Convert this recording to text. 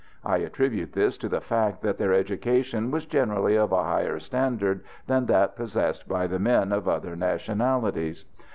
I attribute this to the fact that their education was generally of a higher standard than that possessed by the men of other nationalities.